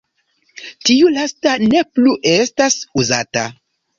Tiu lasta ne plu estas uzata.